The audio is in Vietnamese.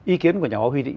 ý kiến của nhà bác huy định